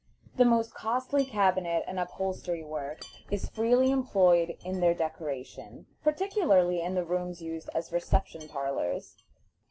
The most costly cabinet and upholstery work is freely employed in their decoration, particularly in the rooms used as reception parlors.